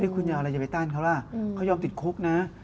คุณจะเอาอะไรจะไปต้านเขาล่ะเขายอมติดคุกนะ